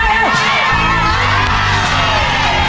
สิ้นปลื้องย้อน